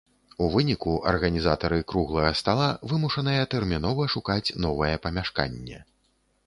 У выніку, арганізатары круглага стала вымушаныя тэрмінова шукаць новае памяшканне.